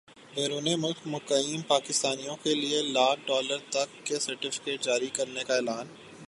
بیرون ملک مقیم پاکستانیوں کیلئے لاکھ ڈالر تک کے سرٹفکیٹ جاری کرنے کا اعلان